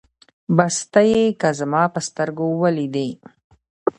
بس ته يې که زما په سترګو وليدې